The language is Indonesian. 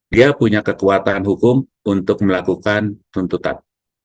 dia punya kekuatan hukum untuk melakukan tuntutan